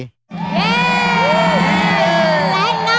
เย้